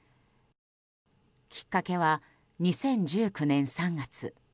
きっかけは２０１９年３月。